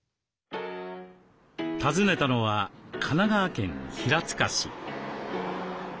訪ねたのは神奈川県平塚市。